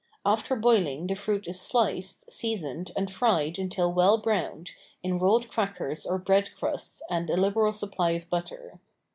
After boiling the fruit is sliced, seasoned and fried until well browned, in rolled crackers or bread crusts and a liberal supply of butter.